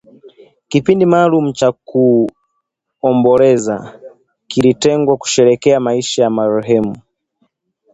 Kipindi maalum cha kuomboleza kilitengwa kusherekea maisha ya marehemu